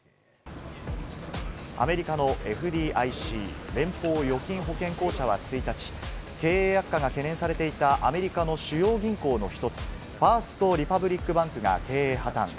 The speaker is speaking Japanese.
アメリカのＦＤＩＣ＝連邦預金保険公社は１日、経営悪化が懸念されていたアメリカの主要銀行の一つ、ファースト・リパブリック・バンクが経営破綻。